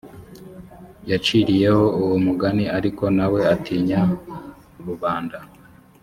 yaciriyeho uwo mugani ariko nawe atinya rubanda .